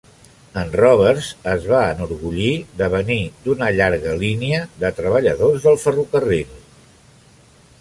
En Roberts es va enorgullir de venir d'una llarga línia de treballadors del ferrocarril.